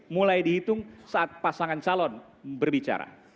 mulai dihitung saat pasangan calon berbicara